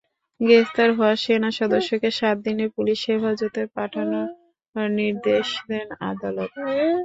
গ্রেপ্তার হওয়া সেনা সদস্যকে সাত দিনের পুলিশ হেফাজতে পাঠানোর নির্দেশ দেন আদালত।